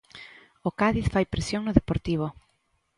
O Cádiz fai presión no Deportivo.